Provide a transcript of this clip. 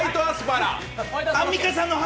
アンミカさんの歯。